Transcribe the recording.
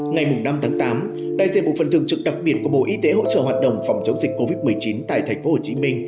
ngày năm tháng tám đại diện bộ phần thường trực đặc biệt của bộ y tế hỗ trợ hoạt động phòng chống dịch covid một mươi chín tại tp hcm